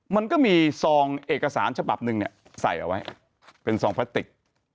มันก็มีซองเอกสารฉบับหนึ่งเนี่ยใส่เอาไว้เป็นซองพลาสติก